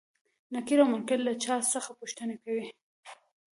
نکير او منکر له چا څخه پوښتنې کوي؟